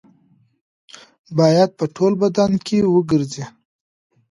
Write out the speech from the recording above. باید په ټول بدن کې وګرځي.